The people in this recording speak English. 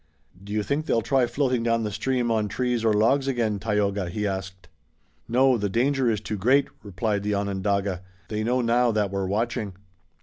"Do you think they'll try floating down the stream on trees or logs again, Tayoga?" he asked. "No, the danger is too great," replied the Onondaga. "They know now that we're watching."